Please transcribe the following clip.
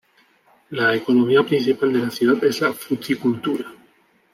La economía principal de la ciudad es la fruticultura.